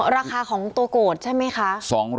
อ๋อราคาของตัวกดใช่ไหมคะ